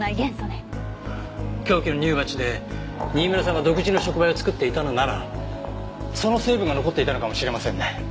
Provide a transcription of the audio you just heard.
凶器の乳鉢で新村さんが独自の触媒を作っていたのならその成分が残っていたのかもしれませんね。